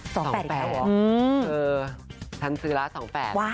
สองแปดแหละเหรอเหรอทางซื้อล่ะสองแปด